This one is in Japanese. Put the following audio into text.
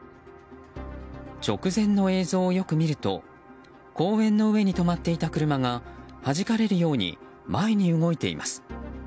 直前の映像をよく見ると公園の上に止まっていた車がはじかれるように前に動いています。